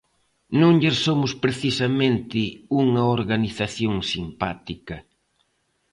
Non lles somos precisamente unha organización simpática.